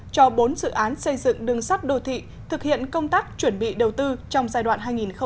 cho bốn dự án xây dựng đường sắt đô thị thực hiện công tác chuẩn bị đầu tư trong giai đoạn hai nghìn hai mươi hai nghìn hai mươi năm